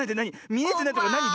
みえてないとかなに？